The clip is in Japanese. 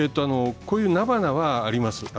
こういう菜花はあります。